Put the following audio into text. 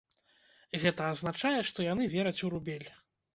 Гэта азначае, што яны вераць у рубель.